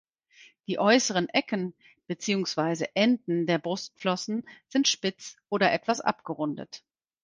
Die äußeren Ecken beziehungsweise Enden der Brustflossen sind spitz oder etwas abgerundet.